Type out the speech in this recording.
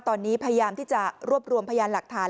ตอนนี้พยายามที่จะรวบรวมพยานหลักฐาน